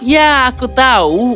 ya aku tahu